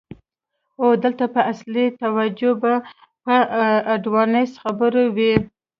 او دلته به اصلی توجه په آډوانس خبرو وی.